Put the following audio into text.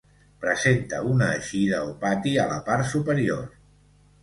Presenta una eixida o pati a la part superior.